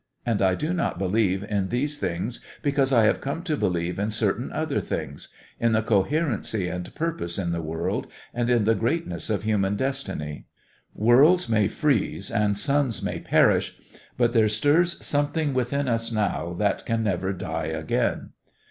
And I do not believe in these things because I have come to believe in certain other things in the coherency and purpose in the world and in the greatness of human destiny. Worlds may freeze and suns may perish, but there stirs something within us now that can never die again.